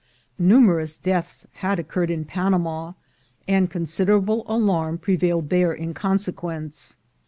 Numerous deaths had occurred in Panama, and considerable alarm pre vailed there in consequence.